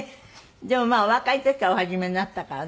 でもまあお若い時からお始めになったからね。